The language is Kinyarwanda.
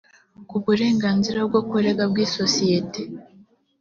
ku burenganzira bwo kurega bw isosiyete